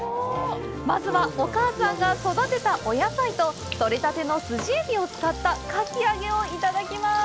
まずはお母さんが育てたお野菜と取れたてのスジエビを使ったかき揚げをいただきまーす。